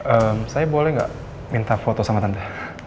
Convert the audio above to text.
ehm saya boleh gak minta foto sama tante